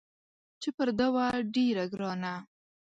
چې پر ده وه ډېره ګرانه